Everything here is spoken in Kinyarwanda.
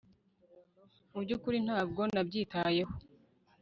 Mu byukuri ntabwo nabyitayeho